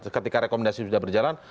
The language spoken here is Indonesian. ketika rekomendasi sudah berjalan